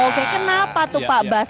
oke kenapa tuh pak bas